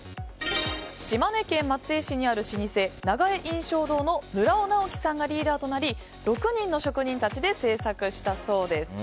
島根県松江市にある老舗永江印祥堂の村尾直樹さんがリーダーとなり６人の職人たちで製作したそうです。